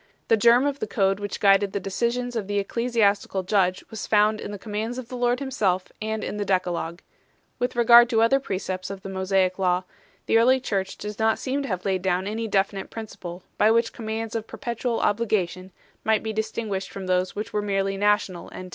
The germ of the code which guided the decisions of the ecclesiastical judge was found in the com mands of the Lord Himself and in the Decalogue. With regard to other precepts of the Mosaic Law, the early Church does not seem to have laid down any definite principle by which commands of perpetual obligation might be distinguished from those which were merely national 1 H.